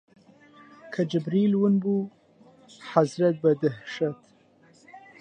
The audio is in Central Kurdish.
کە جیبریل ون بوو، حەزرەت بە دەهشەت